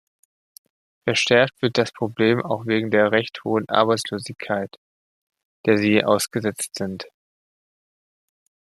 Verschärft wird das Problem auch wegen der recht hohen Arbeitslosigkeit, der sie ausgesetzt sind.